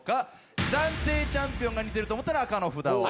暫定チャンピオンが似てると思ったら紅の札を。